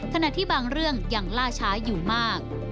ขณะที่บางเรื่องยังล่าช้าอยู่มาก